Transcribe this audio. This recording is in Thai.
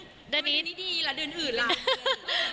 ไม่เดือนนี้ดีล่ะเดือนอื่นล่ะ